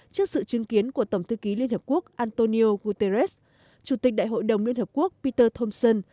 trước sự chứng kiến của tổng thư ký liên hợp quốc antonio guterres chủ tịch đại hội đồng liên hợp quốc peter homeson